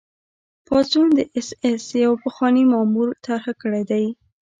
پاڅون د اېس ایس یوه پخواني مامور طرح کړی دی